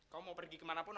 kau mau pergi ke mana pun